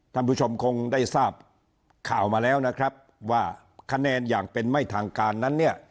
ท่านผู้ชมคงได้ทราบข่าวมาแล้วนะครับว่าคะแนนอย่างเป็นไม่ทางการนั้นเนี่ย